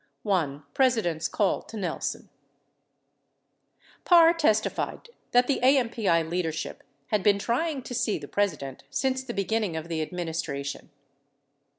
l. president's call to nelson Parr testified that the AMPI leadership had been trying to see the President since the beginning of the administration.